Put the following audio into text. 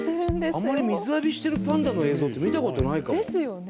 あんまり水浴びしてるパンダの映像って見たことないかも。ですよね。